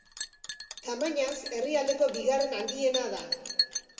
Tamainaz, herrialdeko bigarren handiena da.